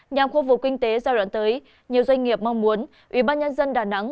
nhằm khu vực kinh tế giao đoạn tới nhiều doanh nghiệp mong muốn ủy ban nhân dân đà nẵng